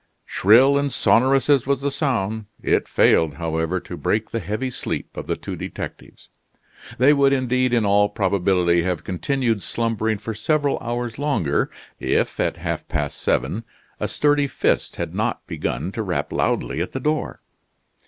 Shrill and sonorous as was the sound, it failed, however, to break the heavy sleep of the two detectives. They would indeed, in all probability, have continued slumbering for several hours longer, if at half past seven a sturdy fist had not begun to rap loudly at the door.